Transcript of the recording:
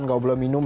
enggak boleh minum